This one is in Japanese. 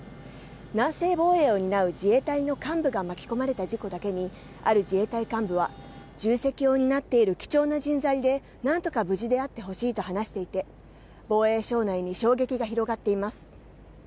南西防衛を担う自衛隊の幹部が巻き込まれた事故だけにある自衛隊幹部は、重責を担っている貴重な人材で、何とか無事であってほしいと話していて防衛省内に衝撃が広がっています。